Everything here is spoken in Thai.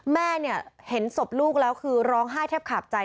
แม่เนี่ยเห็นศพลูกแล้วคือร้องไห้แทบขาบใจ